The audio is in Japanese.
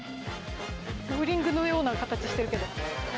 ボウリングのような形してるけど。